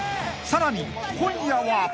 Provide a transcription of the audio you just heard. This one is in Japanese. ［さらに今夜は］